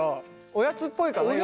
おやつっぽいかなより。